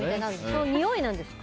そういう、においなんですか？